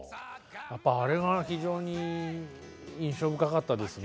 やっぱあれが非常に印象深かったですね。